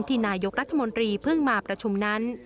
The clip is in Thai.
ที่นายกรัฐมนตรีเพิ่งมาประชุมนั้น